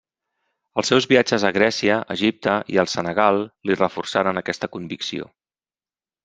Els seus viatges a Grècia, Egipte i al Senegal li reforçaren aquesta convicció.